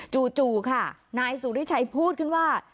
จู่ค่ะนายสุริชัยพูดขึ้นว่า